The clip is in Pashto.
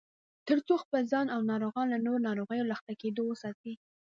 ترڅو خپل ځان او ناروغان له نورو ناروغیو له اخته کېدو وساتي